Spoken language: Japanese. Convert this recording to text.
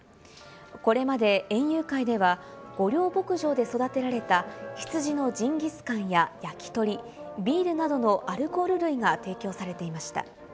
これまで園遊会では、御料牧場で育てられた、羊のジンギスカンや焼き鳥、ビールなどのアルコール類が提供されていました。